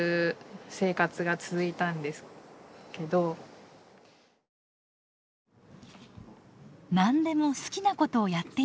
「何でも好きなことをやっていいんだよ」。